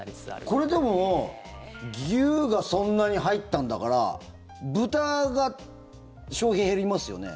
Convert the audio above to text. これ、でも牛がそんなに入ったんだから豚が消費減りますよね。